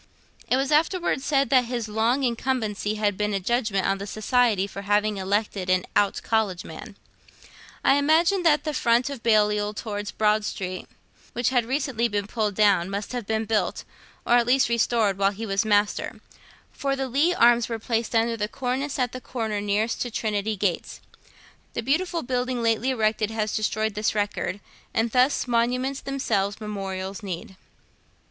It was afterwards said that his long incumbency had been a judgment on the Society for having elected an Out College Man. I imagine that the front of Balliol towards Broad Street which has recently been pulled down must have been built, or at least restored, while he was Master, for the Leigh arms were placed under the cornice at the corner nearest to Trinity gates. The beautiful building lately erected has destroyed this record, and thus 'monuments themselves memorials need.'